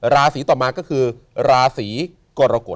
ราศีต่อมาก็คือราศีกรกฎ